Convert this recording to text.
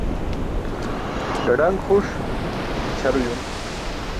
Ḍaḍaṅ xuṣ ićʰar uyum